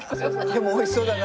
でも美味しそうだな。